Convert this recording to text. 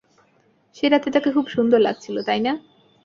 সেই রাতে তাকে খুব সুন্দর লাগছিল, তাই না?